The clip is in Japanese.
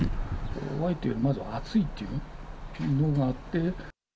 怖いというよりまず熱いっていうのがあって。